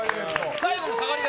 最後の下がり方